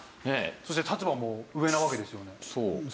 そして立場も上なわけですよね。